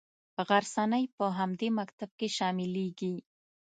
غرڅنۍ په همدې مکتب کې شاملیږي.